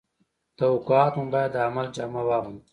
توقعات مو باید د عمل جامه واغوندي